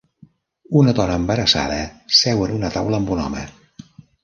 Una dona embarassada seu en una taula amb un home.